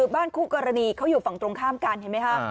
บ้านคู่กรณีเขาอยู่ฝั่งตรงข้ามกันเห็นไหมคะ